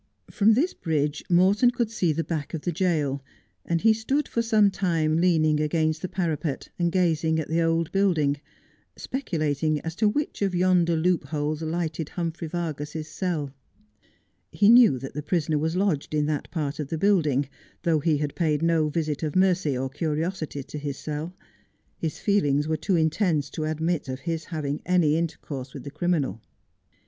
From this bridge Morton could see the back of the jail, and he stood for some time leaning against the parapet, and gazing at the old building, speculating as to which of yonder loopholes lighted Humphrey Vargas's cell. He knew that the prisoner was lodged in that part of the building, though he had paid no visit of mercy or curiosity to his cell. His feelings were too intense to admit of his having any intercourse with the criminal.